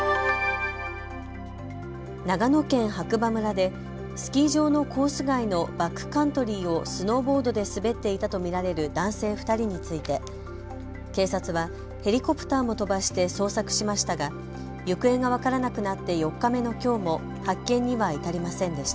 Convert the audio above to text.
長野県白馬村でスキー場のコース外のバックカントリーをスノーボードで滑っていたと見られる男性２人について警察はヘリコプターも飛ばして捜索しましたが行方が分からなくなって４日目のきょうも発見には至りませんでした。